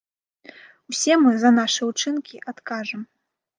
Усе мы за нашы ўчынкі адкажам.